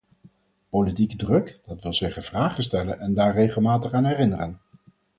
Politieke druk, dat wil zeggen vragen stellen en daar regelmatig aan herinneren?